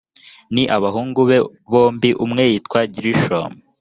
ni abahungu be bombi umwe yitwa gerushomu